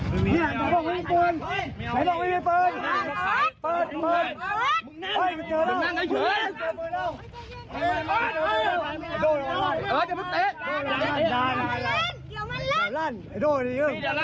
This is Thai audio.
ไม่มีไม่มี